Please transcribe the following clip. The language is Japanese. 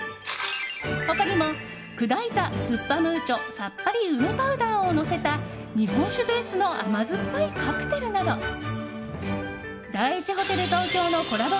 他にも砕いた、すっぱムーチョさっぱり梅パウダーをのせた日本酒ベースの甘酸っぱいカクテルなど第一ホテル東京のコラボ